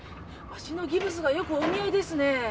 脚のギプスがよくお似合いですね。